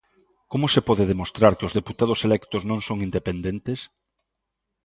Como se pode demostrar que os deputados electos non son independentes?